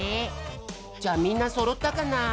じゃあみんなそろったかなあ？